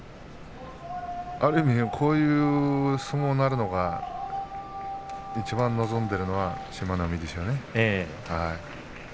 ある意味こういう相撲になるのがいちばん望んでいるのが志摩ノ海でしょうね。